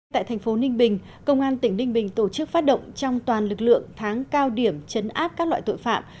tại thành phố ninh bình công an tỉnh ninh bình tổ chức phát động trong toàn lực lượng tháng cao điểm chấn áp các loại tội phạm